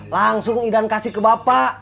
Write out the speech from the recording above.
langsung idan kasih ke bapak